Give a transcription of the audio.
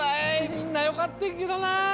みんなよかってんけどな。